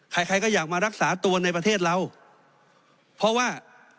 ใครใครก็อยากมารักษาตัวในประเทศเราเพราะว่า